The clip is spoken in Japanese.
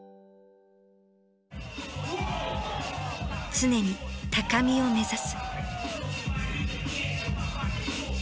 常に高みを目指す。